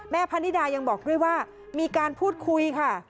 พะนิดายังบอกด้วยว่ามีการพูดคุยค่ะ